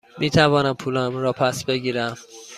می توانم پولم را پس بگیرم؟